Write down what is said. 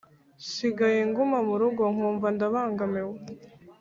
Nsigaye nguma mu rugo nkumva ndabangamiwe